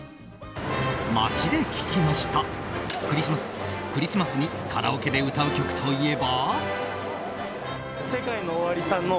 街で聞きましたクリスマスにカラオケで歌う曲といえば。